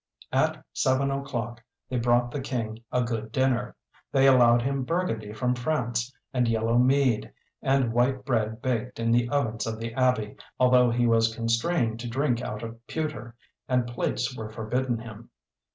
At seven o'clock they brought the King a good dinner: they allowed him burgundy from France, and yellow mead, and white bread baked in the ovens of the Abbey, although he was constrained to drink out of pewter, and plates were forbidden him.